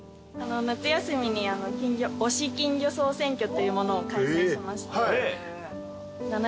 夏休みに推し金魚総選挙というものを開催しまして。